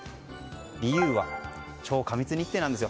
理由は、超過密日程なんです。